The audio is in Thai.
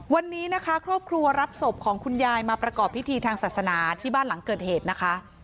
วันนี้นะคะครอบครัวรับศพของคุณยายมาประกอบพิธีทางศาสนาที่บ้านหลังเกิดเหตุนะคะ